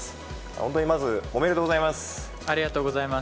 本当にまず、おめでとうございます。